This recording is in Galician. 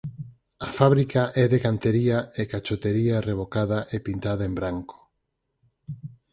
A fábrica é de cantería e cachotería revocada e pintada en branco.